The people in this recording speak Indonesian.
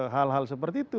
hal hal seperti itu